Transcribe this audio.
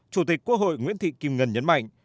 chủ tịch quốc hội nguyễn thị kim ngân nhấn mạnh